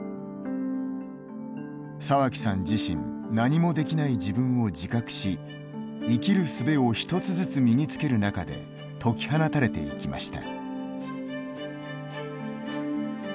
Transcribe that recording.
沢木さん自身何もできない自分を自覚し生きるすべを一つずつ身につける中で解き放たれていきました。